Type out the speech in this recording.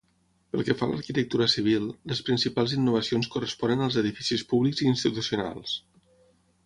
Pel que fa a l'arquitectura civil, les principals innovacions corresponen als edificis públics i institucionals.